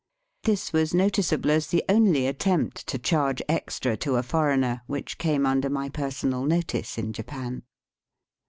This was noticeable as the only attempt to charge extra to a foreigner which came under my personal notice in Japan.